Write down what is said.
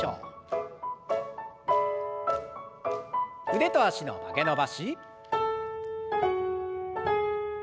腕と脚の曲げ伸ばし。